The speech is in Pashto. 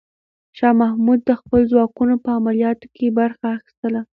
شاه محمود د خپلو ځواکونو په عملیاتو کې برخه اخیستله.